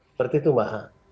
seperti itu maha